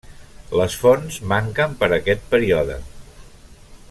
Les fonts manquen per aquest període.